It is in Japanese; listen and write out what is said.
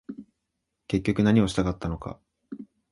結局何をしたかったのか